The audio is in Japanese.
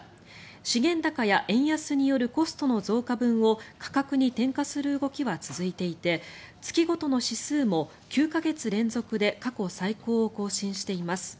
資源高や円安によるコストの増加分を価格に転嫁する動きは続いていて月ごとの指数も９か月連続で過去最高を更新しています。